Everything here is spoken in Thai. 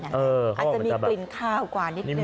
อาจจะมีกลิ่นข้าวกว่านิดนึ